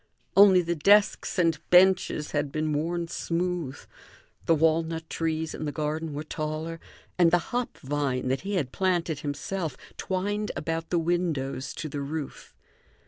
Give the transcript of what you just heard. Only the desks and benches had been worn smooth; the walnut trees in the garden were taller, and the hop vine, that he had planted himself twined about the windows to the roof.